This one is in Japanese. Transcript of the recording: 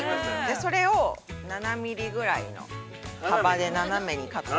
それを７ミリぐらいの幅で斜めにカットを。